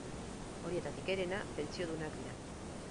Horietatik, herena pentsiodunak dira.